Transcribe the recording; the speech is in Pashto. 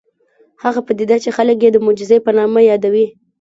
هغه پدیده چې خلک یې د معجزې په نامه یادوي